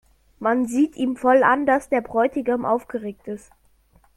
Man sieht ihm voll an, dass der Bräutigam aufgeregt ist.